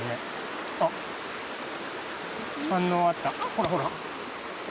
ほらほら。